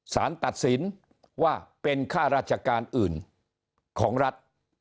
สารตัดสินว่าเป็นค่าราชการอื่นของรัฐ